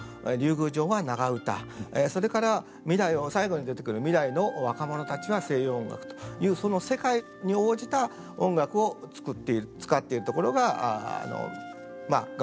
宮城は長唄それから未来を最後に出てくる未来の若者たちは西洋音楽というその世界に応じた音楽を使っているところが眼目なんです。